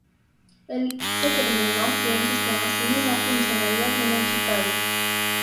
Él determinó que un sistema similar funcionaría bien en Chicago.